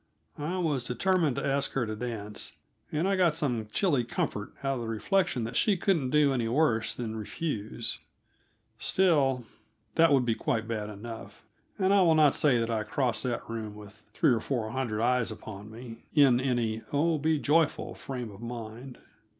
I was determined to ask her to dance, and I got some chilly comfort out of the reflection that she couldn't do any worse than refuse; still, that would be quite bad enough, and I will not say that I crossed that room, with three or four hundred eyes upon me, in any oh be joyful frame of mind.